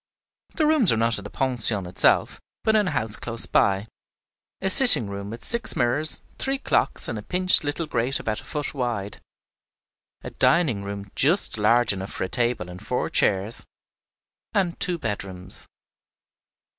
The rooms were not in the pension itself, but in a house close by, a sitting room with six mirrors, three clocks, and a pinched little grate about a foot wide, a dining room just large enough for a table and four chairs, and two bedrooms.